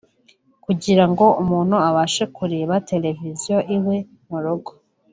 Kugira ngo umuntu abashe kureba televiziyo iwe mu rugo